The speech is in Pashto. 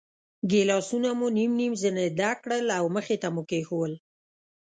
ګیلاسونه مو نیم نیم ځنې ډک کړل او مخې ته مو کېښوول.